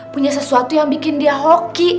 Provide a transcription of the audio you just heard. punya sesuatu yang bikin dia hoki